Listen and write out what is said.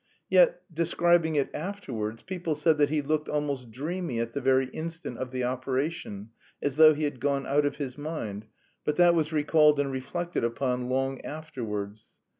Yet, describing it afterwards, people said that he looked almost dreamy at the very instant of the operation, "as though he had gone out of his mind," but that was recalled and reflected upon long afterwards.